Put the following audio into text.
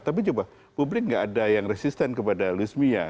tapi coba publik enggak ada yang resisten kepada luismia